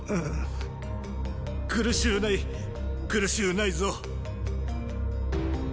苦しゅうない苦しゅうないぞ。